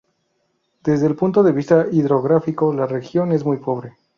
Desde el punto de vista hidrográfico, la región es muy pobre.